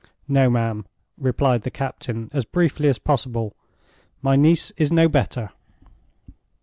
"No, ma'am," replied the captain, as briefly as possible. "My niece is no better."